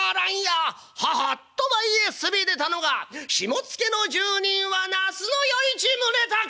ははあと前へ進み出たのが下野の住人は那須与一宗隆」。